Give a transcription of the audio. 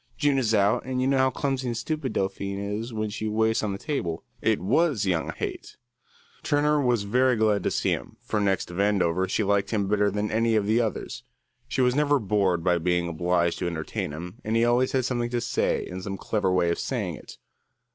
June is out, and you know how clumsy and stupid Delphine is when she waits on the table." It was young Haight. Turner was very glad to see him, for next to Vandover she liked him better than any of the others. She was never bored by being obliged to entertain him, and he always had something to say and some clever way of saying it.